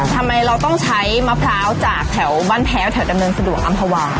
ทำไมเราต้องใช้มะพร้าวจากแถวบ้านแพ้วแถวดำเนินสะดวกอำภาวา